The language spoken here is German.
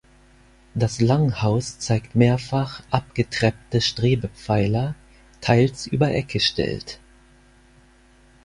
Das Langhaus zeigt mehrfach abgetreppte Strebepfeiler teils übereck gestellt.